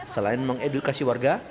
selain mengedukasi warga